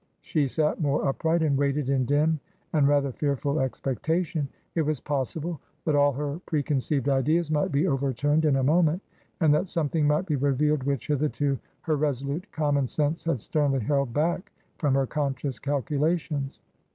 She sat more upright and waited in dim and rather fearful expectation. It was possible that all her preconceived ideas might be overturned in a moment, and that something might be revealed which hitherto her resolute commonsense had sternly held back from her conscious calculations.